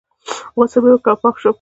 غسل مې وکړ او پاک شوم.